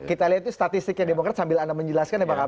kita lihat itu statistiknya demokrat sambil anda menjelaskan ya bang ab